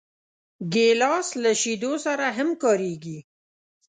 ګیلاس له شیدو سره هم کارېږي.